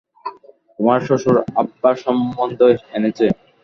তোমার শ্বশুর আবার সম্বন্ধ এনেছে।